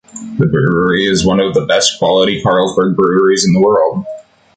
The brewery is one of the best quality Carlsberg breweries in the world.